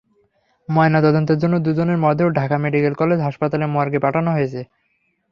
ময়নাতদন্তের জন্য দুজনের মরদেহ ঢাকা মেডিকেল কলেজ হাসপাতালের মর্গে পাঠানো হয়েছে।